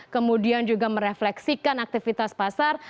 kemudian juga merefleksikan aktivitas pasar